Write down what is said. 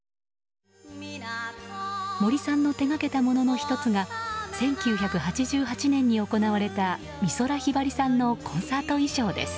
森さんの手掛けたものの１つが１９８８年に行われた美空ひばりさんのコンサート衣装です。